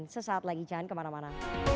sesaat lagi jangan kemana mana